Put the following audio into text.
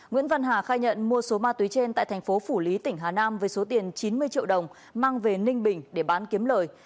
nguyễn văn hà khai nhận mua số ma túy trên tại thành phố phủ lý tỉnh hà nam với số tiền chín mươi triệu đồng mang về ninh bình để bán kiếm lời